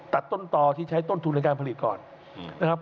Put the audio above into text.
ตัดต้นต่อที่ใช้ต้นทุนในการผลิตก่อนนะครับ